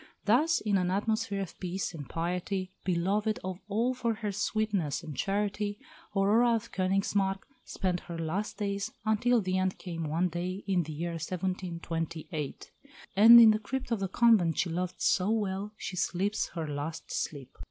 Thus in an atmosphere of peace and piety, beloved of all for her sweetness and charity, Aurora of Königsmarck spent her last years until the end came one day in the year 1728; and in the crypt of the convent she loved so well she sleeps her last sleep.